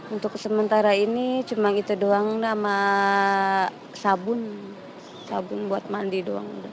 untuk sementara ini cuma itu doang sama sabun sabun buat mandi doang